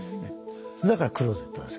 だからクローゼットです。